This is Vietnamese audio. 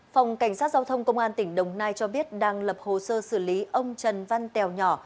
phòng cảnh sát giao thông công an tỉnh đồng nai cho biết đang lập hồ sơ xử lý ông trần văn tèo nhỏ